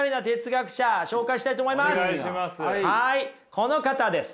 この方です。